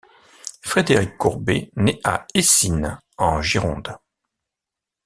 Frédéric Courbet naît à Eysines en Gironde.